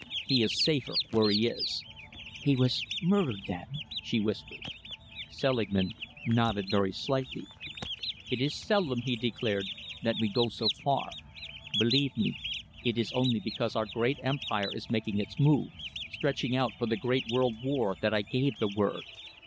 He is safer where he is." "He was murdered, then!" she whispered. Selingman nodded very slightly. "It is seldom," he declared, "that we go so far. Believe me, it is only because our great Empire is making its move, stretching out for the great world war, that I gave the word.